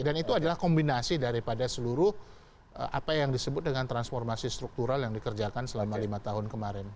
dan itu adalah kombinasi daripada seluruh apa yang disebut dengan transformasi struktural yang dikerjakan selama lima tahun kemarin